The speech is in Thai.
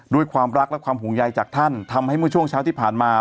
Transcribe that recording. ด้วยความรักและความห่วงใยจากท่านทำให้เมื่อช่วงเช้าที่ผ่านมา